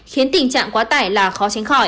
khiến tình trạng quá tải là khó tránh khỏi